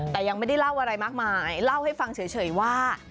แต่ยังไม่ได้เล่าอะไรมากมายเล่าให้ฟังเฉยว่า